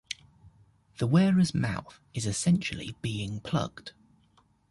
The wearer's mouth is essentially being plugged.